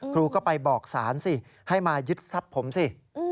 ครูก็ไปบอกศาลสิให้มายึดทรัพย์ผมสิ